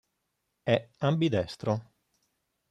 È ambidestro.